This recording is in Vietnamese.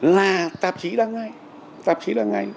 là tạp chí đăng ngay